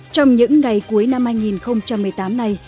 trong những ngày cuối năm hai nghìn một mươi tám này